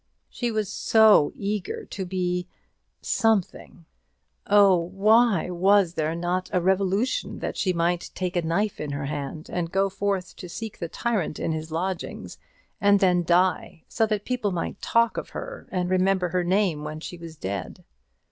She was so eager to be something. Oh, why was not there a revolution, that she might take a knife in her hand and go forth to seek the tyrant in his lodging, and then die; so that people might talk of her, and remember her name when she was dead?